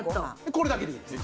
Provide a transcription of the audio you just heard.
これだけでいいんです。